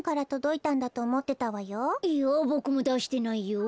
いやぼくもだしてないよ。